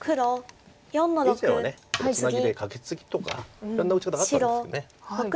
以前はこのツナギでカケツギとかいろんな打ち方があったんですけど。